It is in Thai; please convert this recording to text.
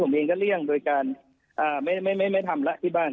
ผมเองก็เลี่ยงโดยการไม่ทำละที่บ้าน